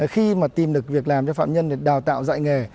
khi mà tìm được việc làm cho phạm nhân để đào tạo dạy nghề